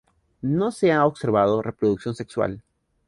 No se ha observado reproducción sexual.